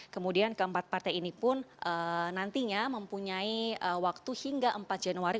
kemudian keempat partai ini pun nantinya mempunyai waktu hingga empat januari